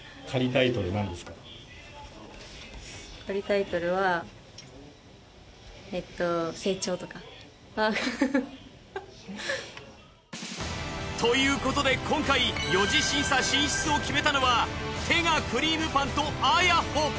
仮タイトルはえっと。ということで今回四次審査進出を決めたのは手がクリームパンとａｙａｈｏ。